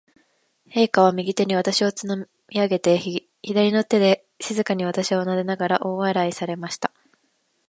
陛下は、右手に私をつまみ上げて、左の手で静かに私をなでながら、大笑いされました。